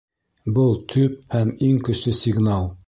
Был төп һәм иң көслө сигнал.